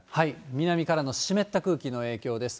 南からの湿った空気の影響です。